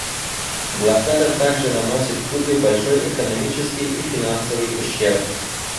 Блокада также наносит Кубе большой экономический и финансовый ущерб.